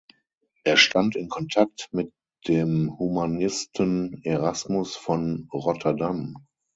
Er stand in Kontakt mit dem Humanisten Erasmus von Rotterdam.